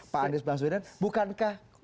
pak andri baswedan bukankah